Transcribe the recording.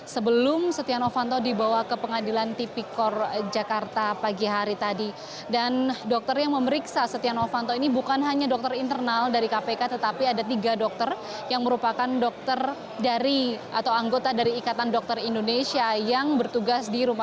setia novanto diambil alih oleh kliennya